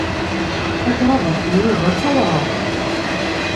Takrabaṭ n Yuba d tawṛaɣt.